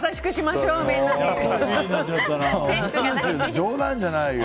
冗談じゃないよ！